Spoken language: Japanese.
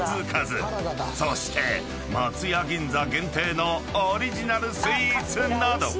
［そして松屋銀座限定のオリジナルスイーツなど］